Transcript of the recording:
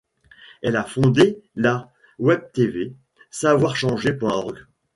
Elle a fondé la Webtv Savoirchanger.org.